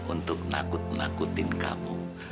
untuk menakut nakutin kamu